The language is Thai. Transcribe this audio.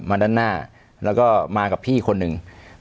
ด้านหน้าแล้วก็มากับพี่คนหนึ่ง